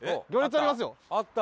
あった！